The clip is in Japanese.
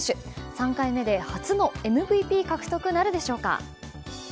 ３回目で初のＭＶＰ獲得なるでしょうか？